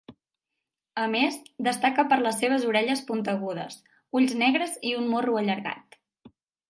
A més, destaca per les seves orelles puntegudes, ulls negres i un morro allargat.